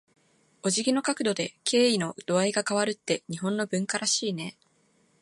お辞儀の角度で、敬意の度合いが変わるって日本の文化らしいね。